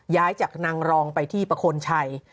ย้ายจากนางรองไปที่ประโคนชัย